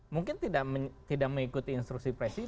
mungkin tidak mengikuti instruksi presiden